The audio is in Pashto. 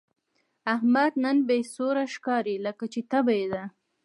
احمد نن بې سوره ښکاري، لکه چې تبه یې ده.